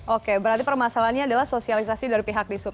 oke berarti permasalahannya adalah sosialisasi dari pihak dishub